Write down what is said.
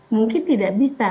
mungkin tidak bisa